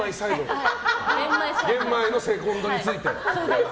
玄米のセコンドについて。